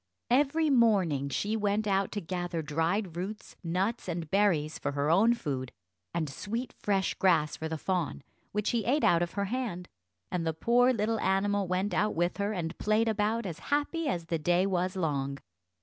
Every morning she went out to gather dried roots, nuts, and berries, for her own food, and sweet fresh grass for the fawn, which he ate out of her hand, and the poor little animal went out with her, and played about as happy as the day was long.